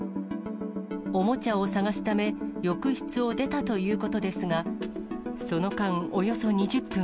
おもちゃを探すため、浴室を出たということですが、その間、およそ２０分。